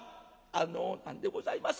「あの何でございます